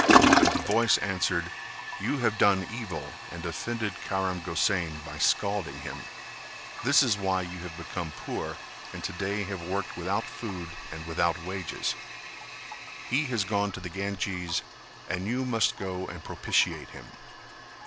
And the voice answered "You have done evil and offended Karam Gosain by scalding him; this is why you have become poor and to day have worked without food and without wages; he has gone to the Ganges and you must go and propitiate him."